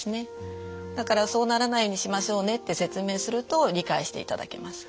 だからそうならないようにしましょうねって説明すると理解していただけます。